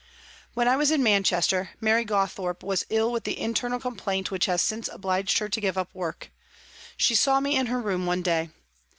When I was in Manchester, Mary Gawthorpe was ill with the internal complaint which has since obliged her to give up work. She saw me in her room one day.